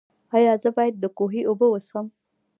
ایا زه باید د کوهي اوبه وڅښم؟